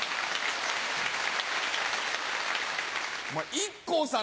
お前ＩＫＫＯさん